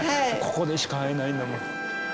ここでしか会えないんだもん。